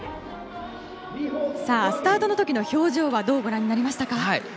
スタートの時の表情はどうご覧になりましたか。